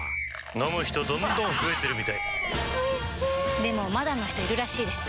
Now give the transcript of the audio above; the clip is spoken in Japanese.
飲む人どんどん増えてるみたいおいしでもまだの人いるらしいですよ